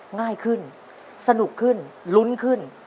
ง่ายขึ้นสนุกขึ้นลุ้นขึ้น